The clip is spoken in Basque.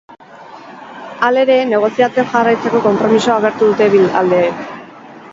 Halere, negoziatzen jarraitzeko konpromisoa agertu dute bi aldeek.